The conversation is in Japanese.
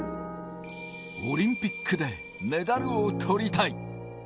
オリンピックでメダルをとりたい。